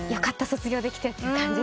卒業できて」って感じ。